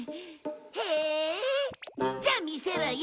へえじゃあ見せろよ。